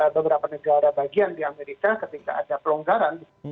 beberapa negara bagian di amerika ketika ada pelonggaran